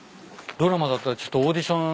ドラマだったらちょっとオーディション。